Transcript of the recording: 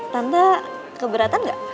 tante keberatan gak